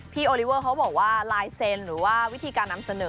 โอลิเวอร์เขาบอกว่าลายเซ็นต์หรือว่าวิธีการนำเสนอ